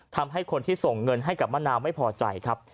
ทำให้คนที่ส่งเงินให้กับมะนาวไม่พอใจครับ